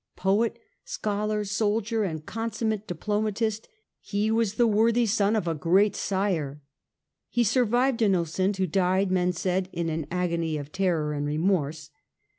Poet, scholar, soldier and consummate diplomatist, he was the worthy son of a great sire. He survived Innocent, who died, men said, in an agony of terror and remorse.